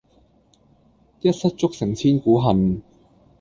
一失足成千古恨